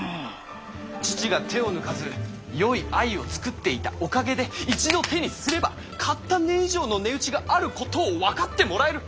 父が手を抜かずよい藍を作っていたおかげで一度手にすれば買った値以上の値打ちがあることを分かってもらえる。